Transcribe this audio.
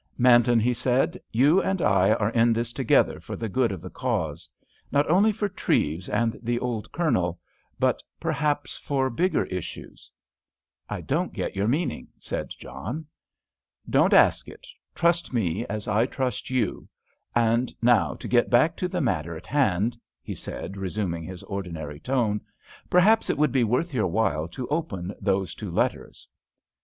"Manton," he said, "you and I are in this together for the good of the Cause. Not only for Treves and the old Colonel, but perhaps for bigger issues." "I don't get your meaning," said John. "Don't ask it, trust me as I trust you. And now to get back to the matter in hand," he said, resuming his ordinary tone. "Perhaps it would be worth your while to open those two letters."